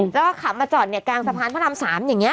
แล้วก็ขับมาจอดกลางสะพานพระราม๓อย่างนี้